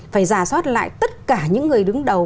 phải giả soát lại tất cả những người đứng đầu